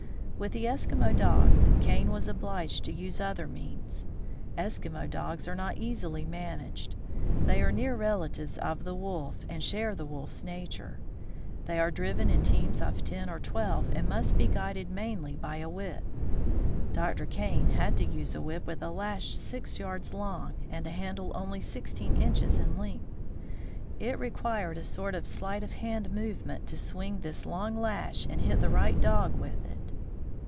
With the Eskimo dogs, Kane was obliged to use other means. Eskimo dogs are not easily managed. They are An Eskimo Dog Team. near relatives of the wolf, and share the wolf's nature. They are driven in teams of ten or twelve, and must be guided mainly by the whip. Dr. Kane had to use a whip with a lash six yards long, and a handle only sixteen inches in length. It required a sort of " sleight of hand " move ment to swing this long lash and hit the right dog with it.